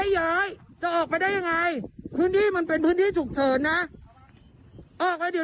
ขอโทษค่ะพี่